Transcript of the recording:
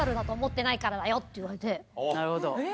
なるほど。